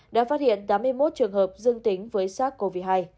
đã phát hiện tám mươi một trường hợp dương tính với sars cov hai